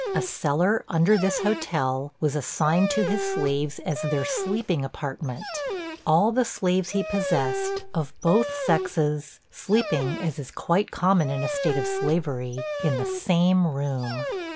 A cellar, under this hotel, was assigned to his slaves, as their sleeping apartment, all the slaves he possessed, of both sexes, sleeping (as is quite common in a state of slavery) in the same room.